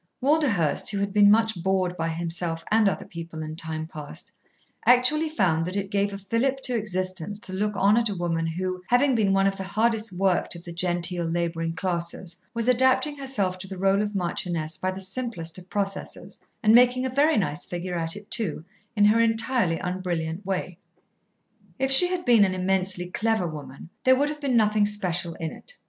Walderhurst, who had been much bored by himself and other people in time past, actually found that it gave a fillip to existence to look on at a woman who, having been one of the hardest worked of the genteel labouring classes, was adapting herself to the role of marchioness by the simplest of processes, and making a very nice figure at it too, in her entirely unbrilliant way. If she had been an immensely clever woman, there would have been nothing special in it.